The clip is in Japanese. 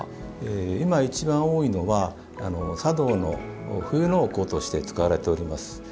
今、一番多いのは茶道の冬のお香として使われております。